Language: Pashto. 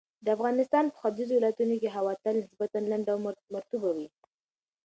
د افغانستان په ختیځو ولایتونو کې هوا تل نسبتاً لنده او مرطوبه وي.